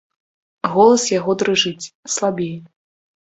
Голас яго дрыжыць, слабее.